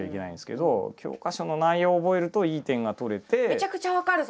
めちゃくちゃ分かる！